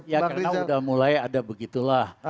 ya karena udah mulai ada begitulah